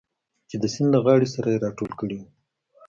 چې د سیند له غاړې سره یې راټول کړي و.